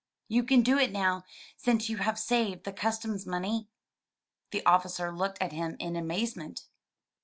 You can do it now, since you have saved the customs money." The officer looked at him in amazement.